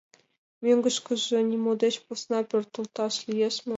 Мӧҥгышкыжӧ нимо деч посна пӧртылташ лиеш мо?